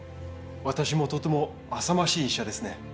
私もとてもあさましい医者ですね。